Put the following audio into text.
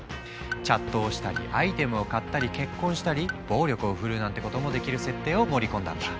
チャットをしたりアイテムを買ったり結婚したり暴力を振るうなんてこともできる設定を盛り込んだんだ。